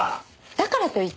だからと言って。